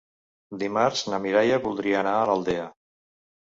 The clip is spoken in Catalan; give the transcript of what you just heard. Dimarts na Mireia voldria anar a l'Aldea.